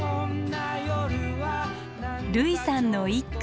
類さんの一句。